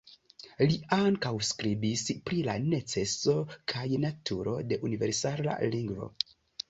Li ankaŭ skribis pri la neceso kaj naturo de universala lingvo.